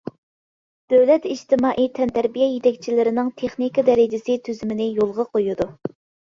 دۆلەت ئىجتىمائىي تەنتەربىيە يېتەكچىلىرىنىڭ تېخنىكا دەرىجىسى تۈزۈمىنى يولغا قويىدۇ.